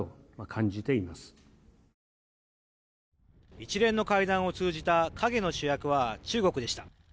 一連の会談を通じた影の主役は中国でした。